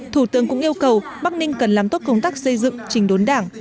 thủ tướng cũng yêu cầu bắc ninh cần làm tốt công tác xây dựng trình đốn đảng